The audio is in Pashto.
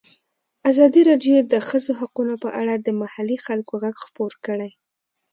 ازادي راډیو د د ښځو حقونه په اړه د محلي خلکو غږ خپور کړی.